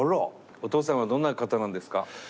お父さんはどんな方なんですか？